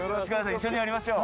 一緒にやりましょう。